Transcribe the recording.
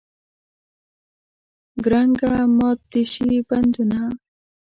کرنګه مات دې شي بندونه.